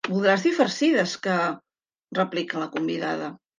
Voldràs dir farcides que —replica la convidada.